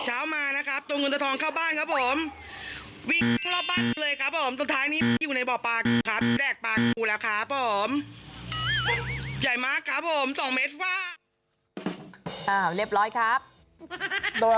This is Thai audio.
อ้าวเรียบร้อยครับ